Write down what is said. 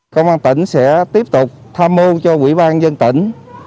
công an tỉnh sẽ tiếp tục tham mưu cho quỹ ban dân tỉnh